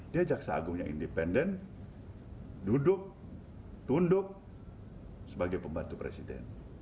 dia jaksa agung yang independen duduk tunduk sebagai pembantu presiden